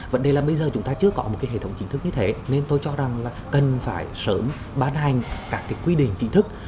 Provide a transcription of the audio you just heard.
vấn đề là bây giờ chúng ta chưa có một cái hệ thống chính thức như thế nên tôi cho rằng là cần phải sớm bán hành các cái quy định chính thức